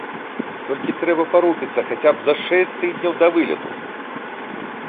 Толькі трэба парупіцца хаця б за шэсць тыдняў да вылету.